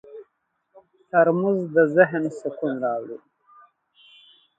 ترموز د ذهن سکون راوړي.